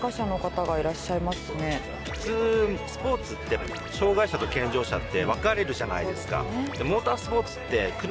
普通スポーツって障害者と健常者って分かれるじゃないですか。